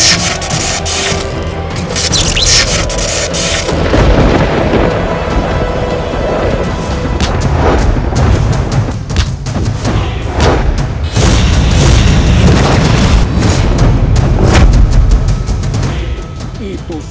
aku akan menangkapmu